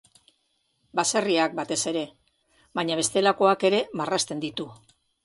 Baserriak batez ere, baina bestelakoak ere marrazten ditu.